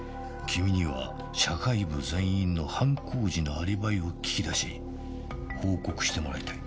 君には社会部全員の犯行時のアリバイを聞き出し報告してもらいたい。